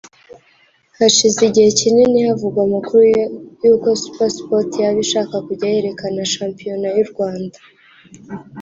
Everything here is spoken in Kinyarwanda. Hashize igihe kinini havugwa amakuru y’uko super sport yaba ishaka kujya yerekana shampiyona y’u Rwanda